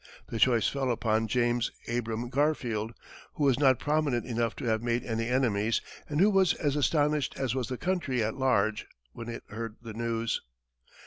The choice fell upon James Abram Garfield, who was not prominent enough to have made any enemies, and who was as astonished as was the country at large when it heard the news.